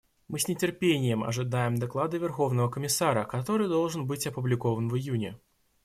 Мы с нетерпением ожидаем доклада Верховного комиссара, который должен быть опубликован в июне.